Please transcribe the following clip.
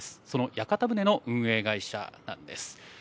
その屋形船の運営会社なんです。